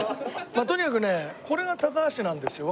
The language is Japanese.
とにかくねこれが高橋なんですよ。